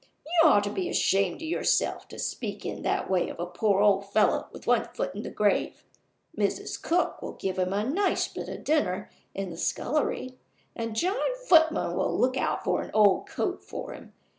You ought to be ashamed of yourself to speak in that way of a poor old fellow with one foot in the grave. Mrs. Cook will give him a nice bit of dinner in the scullery; and John Footman will look out an old coat for him.